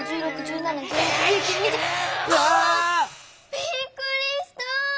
びっくりした！